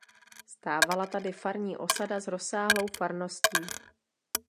Stávala tady farní osada s rozsáhlou farností.